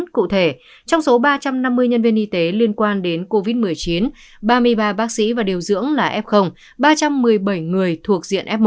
cụ thể trong số ba trăm năm mươi nhân viên y tế liên quan đến covid một mươi chín ba mươi ba bác sĩ và điều dưỡng là f ba trăm một mươi bảy người thuộc diện f một